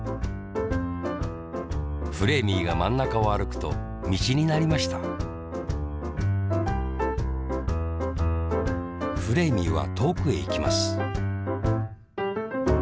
フレーミーがまんなかをあるくとみちになりましたフレーミーはとおくへいきます